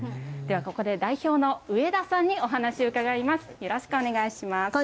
ではここで代表の上田さんにお話、伺います。